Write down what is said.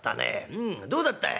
うんどうだったい？」。